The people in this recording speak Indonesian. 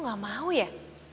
kok gak mau ya